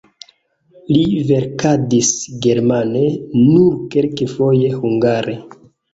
Li verkadis germane, nur kelkfoje hungare.